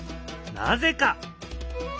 なぜか？